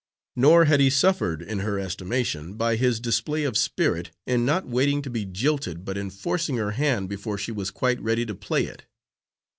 Nor had he suffered in her estimation by his display of spirit in not waiting to be jilted but in forcing her hand before she was quite ready to play it.